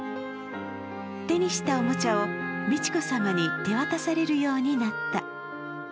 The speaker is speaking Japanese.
手にしたおもちゃを美智子さまに手渡されるようになった。